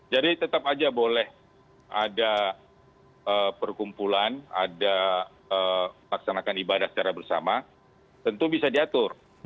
jadi tetap saja boleh ada perkumpulan ada melaksanakan ibadah secara bersama tentu bisa diatur